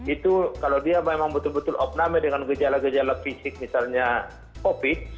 itu kalau dia memang betul betul opname dengan gejala gejala fisik misalnya covid